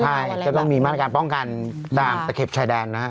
ใช่ก็ต้องมีมาตรการป้องกันตามตะเข็บชายแดนนะฮะ